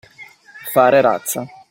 Fare razza.